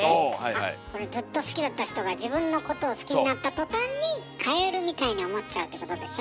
あっこれずっと好きだった人が自分のことを好きになったとたんにカエルみたいに思っちゃうってことでしょ？